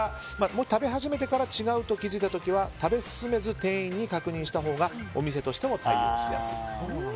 もし食べ始めてから違うと気づいた時は食べ進めず店員に確認したほうがお店としても対応しやすい。